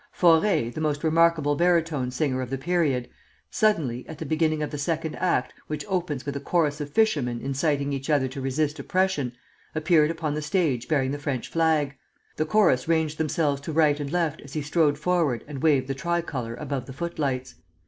Faure, the most remarkable baritone singer of the period, suddenly, at the beginning of the second act, which opens with a chorus of fishermen inciting each other to resist oppression, appeared upon the stage bearing the French flag. The chorus ranged themselves to right and left as he strode forward and waved the tricolor above the footlights.